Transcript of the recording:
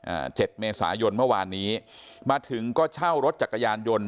เจ็ดเมษายนเมื่อวานนี้มาถึงก็เช่ารถจักรยานยนต์